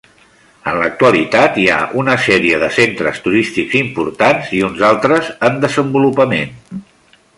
En l'actualitat, hi ha una sèrie de centres turístics importants i uns altres en desenvolupament.